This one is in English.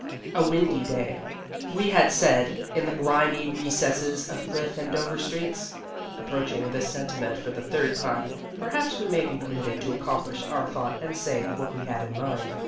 A windy day, we had said in the grimy recesses of Cliff and Dover streets. (Approaching this sentiment for the third time, perhaps we may be permitted to accomplish our thought and say what we had in mind.)